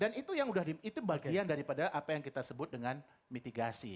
dan itu yang udah itu bagian daripada apa yang kita sebut dengan mitigasi